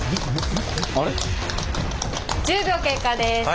１０秒経過です。